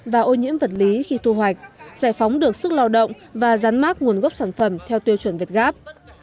và ô nhiễm vật lý khi thu hoạch giải phóng được sức lao động và rán mát nguồn gốc sản phẩm theo tiêu chuẩn việt gáp